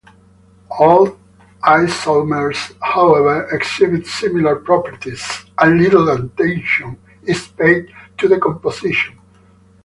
All isomers, however, exhibit similar properties and little attention is paid to the composition.